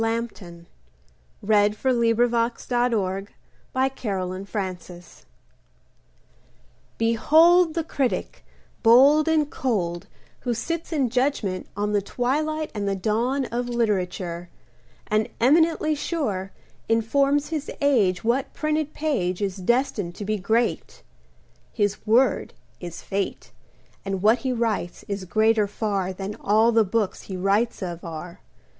LAMPTON Behold The Critic, bold and cold, Who sits in judgment on The twilight and the dawn Of literature, And, eminently sure, Informs his age What printed page Is destined to be great. His word is Fate, And what he writes Is greater far Than all the books He writes of are.